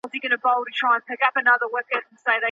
د ارزښت نه بيانول د خفګان سبب کيږي.